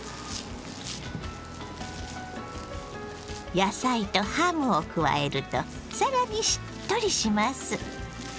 野菜とハムを加えると更にしっとりします。